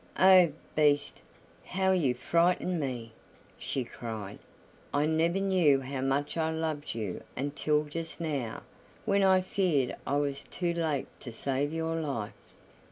"Oh! Beast, how you frightened me!" she cried. "I never knew how much I loved you until just now, when I feared I was too late to save your life."